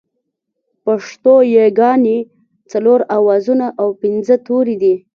پښتو ياگانې څلور آوازونه او پينځه توري دي